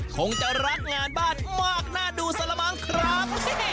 คงจะรักงานบ้านมากน่าดูซะละมั้งครับ